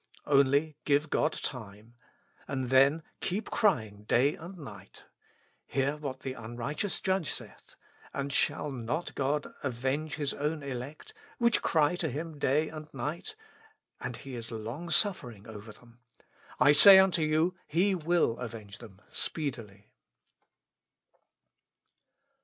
Only give God time. And then keep crying day and night. "Hear what the unrighteous judge saith. And shall not God avenge His own elect, which cry to Him day and night, and He is long suffering over them. I say unto you, He will avenge Ihem speedily.'''